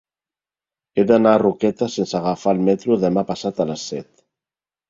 He d'anar a Roquetes sense agafar el metro demà passat a les set.